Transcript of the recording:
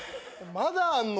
まだあんの？